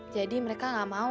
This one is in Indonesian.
jadi mereka gak mau